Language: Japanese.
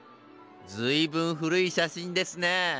ずいぶん古いしゃしんですね。